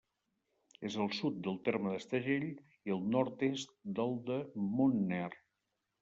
És al sud del terme d'Estagell i al nord-est del de Montner.